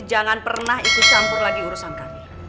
jangan pernah ikut campur lagi urusan kami